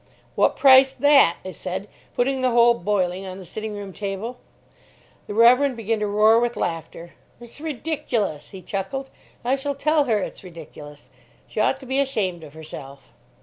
"What price that?" I said, putting the whole boiling on the sitting room table. The Reverend began to roar with laughter. "It's ridiculous," he chuckled. "I shall tell her it's ridiculous. She ought to be ashamed of herself."